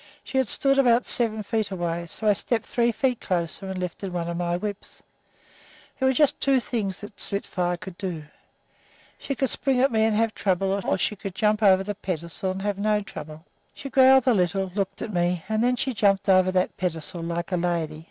She had stood about seven feet away, so I stepped three feet closer and lifted one of my whips. There were just two things Spitfire could do: she could spring at me and have trouble, or she could jump over the pedestal and have no trouble. She growled a little, looked at me, and then she jumped over that pedestal like a lady.